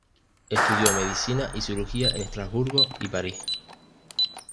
Estudió medicina y cirugía en Estrasburgo y París.